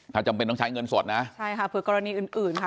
ถ้าจำเป็นต้องใช้เงินสดนะใช่ค่ะเผื่อกรณีอื่นอื่นค่ะ